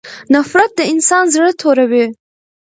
نفرت د انسان زړه توروي.